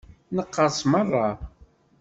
Neqqerṣ meṛṛa.